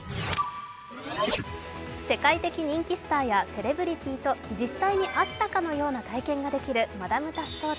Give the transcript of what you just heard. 世界的人気スターやセレブリティーと実際に会ったかのような体験ができるマダム・タッソー